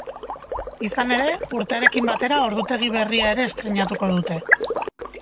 Izan ere, urtearekin batera, ordutegi berria ere estreinatuko dute.